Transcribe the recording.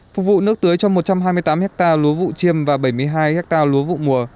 phục vụ nước tưới cho một trăm hai mươi tám hectare lúa vụ chiêm và bảy mươi hai hectare lúa vụ mùa